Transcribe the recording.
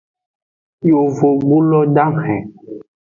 Yovogbulo dahen.